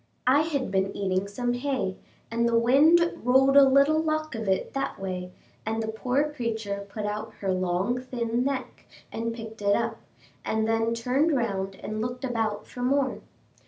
I had been eating some hay, and the wind rolled a little lock of it that way, and the poor creature put out her long thin neck and picked it up, and then turned round and looked about for more.